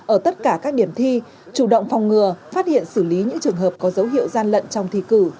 ở tất cả các điểm thi chủ động phòng ngừa phát hiện xử lý những trường hợp có dấu hiệu gian lận trong thi cử